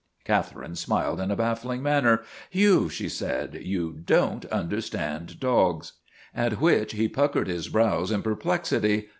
Catherine smiled in a baffling manner. " Hugh," she said, " you don't understand dogs." At which he puckered his brows in perplexity.